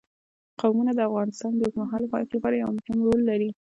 قومونه د افغانستان د اوږدمهاله پایښت لپاره یو مهم رول لري.